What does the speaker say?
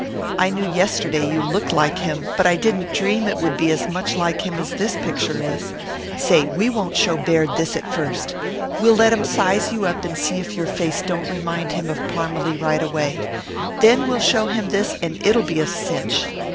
I knew yesterday you looked like him, but I didn't dream it would be as much like him as this picture is. Say, we won't show Baird this at first. We'll let him size you up and see if your face don't remind him of Parmalee right away. Then we'll show him this and it'll be a cinch.